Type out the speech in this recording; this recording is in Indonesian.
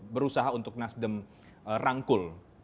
berusaha untuk nasdem rangkul